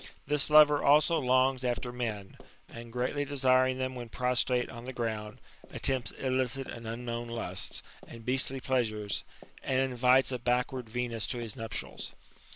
This lover also longs after men, and greatly desiring them when prostrate on the ground, attempts IHicit and unknown lusts, and beastly pleasures, and invites a backward Venus to his nuptials.